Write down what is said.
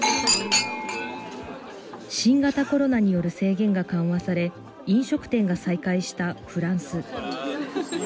新型コロナによる制限が緩和され、飲食店が再開したフランス。